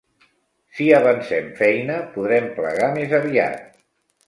Si avancem feina, podrem plegar més aviat.